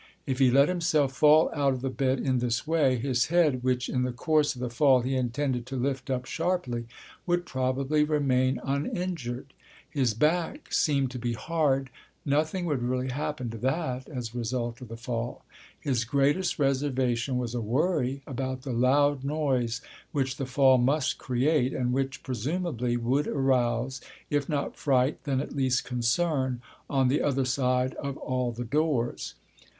If he let himself fall out of the bed in this way, his head, which in the course of the fall he intended to lift up sharply, would probably remain uninjured. His back seemed to be hard; nothing would really happen to that as a result of the fall. His greatest reservation was a worry about the loud noise which the fall must create and which presumably would arouse, if not fright, then at least concern on the other side of all the doors.